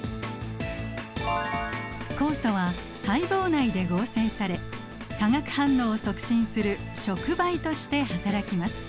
酵素は細胞内で合成され化学反応を促進する触媒としてはたらきます。